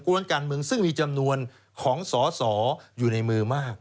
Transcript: วนการเมืองซึ่งมีจำนวนของสอสออยู่ในมือมาก